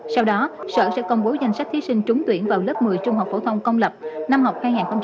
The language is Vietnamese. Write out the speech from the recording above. sau đó sở sẽ công bố danh sách thi sinh trúng tuyển vào lớp một mươi trung học phổ thông công lập năm học hai nghìn một mươi chín hai nghìn hai mươi